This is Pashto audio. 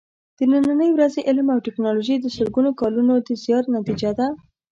د نننۍ ورځې علم او ټېکنالوجي د سلګونو کالونو د زیار نتیجه ده.